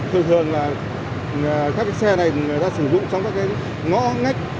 thường thường là các cái xe này người ta sử dụng trong các cái ngõ ngách